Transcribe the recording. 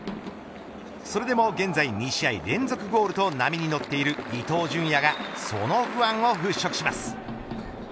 それでも現在２試合連続ゴールと波に乗っている伊東純也がその不安を払拭します。